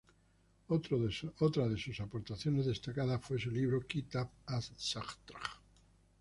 Otro de sus aportaciones destacadas, fue su libro "Kitab ash-Shatranj".